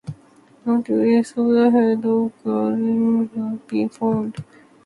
No trace of the head or clothing could be found.